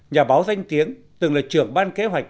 nhà báo danh tiếng từng là trưởng ban kế hoạch